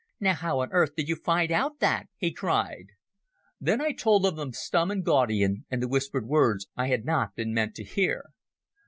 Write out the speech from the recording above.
"Now how on earth did you find out that?" he cried. Then I told them of Stumm and Gaudian and the whispered words I had not been meant to hear.